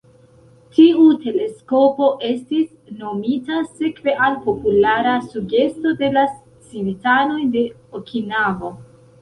Tiu teleskopo estis nomita sekve al populara sugesto de la civitanoj de Okinavo.